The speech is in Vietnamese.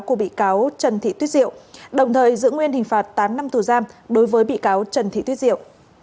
của bị cáo trần thị tuyết diệu đồng thời giữ nguyên hình phạt tám năm tù giam đối với bị cáo trần thị tuyết diệu